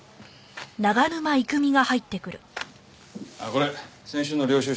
これ先週の領収書。